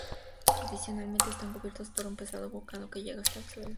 Tradicionalmente están cubiertos por un pesado brocado que llega hasta el suelo.